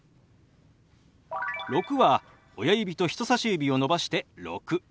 「６」は親指と人さし指を伸ばして「６」。